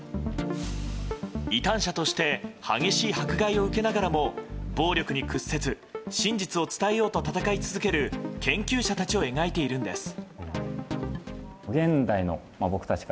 異端者として激しい迫害を受けながらも暴力に屈せず真実を伝えようと闘い続ける研究者たちを描いているんです。